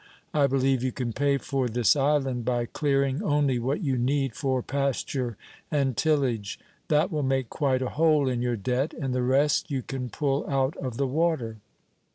I believe you can pay for this island by clearing only what you need for pasture and tillage. That will make quite a hole in your debt, and the rest you can pull out of the water."